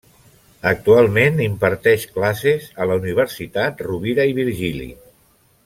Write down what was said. Actualment imparteix classes a la Universitat Rovira i Virgili.